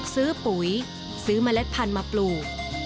ปุ๋ยซื้อเมล็ดพันธุ์มาปลูก